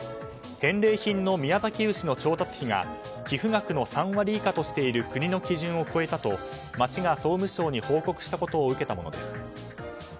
返礼品の宮崎牛の調達費が寄付額の３割以下としている国の基準を超えたと町が総務省に報告したことを受けたものです。